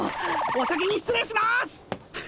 お先に失礼します！